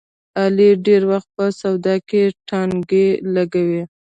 علي ډېری وخت په سودا کې ټانګې لګوي.